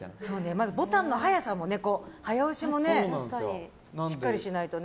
まずボタンの早押しもしっかりしないとね。